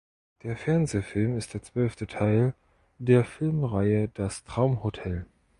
Der Fernsehfilm ist der zwölfte Teil der Filmreihe "Das Traumhotel".